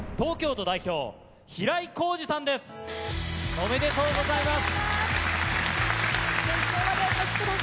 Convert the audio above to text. おめでとうございます。